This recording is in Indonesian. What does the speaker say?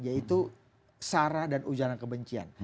yaitu sara dan ujara kebencian